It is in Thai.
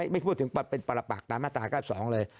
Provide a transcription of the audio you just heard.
ไม่พูดถึงเป็นปรปักตามมาตรา๙๒เลย